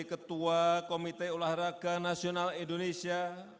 ketua komite olahraga nasional indonesia